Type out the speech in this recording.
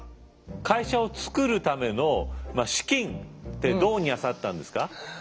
会社を作るための資金てどうにゃさったんですか？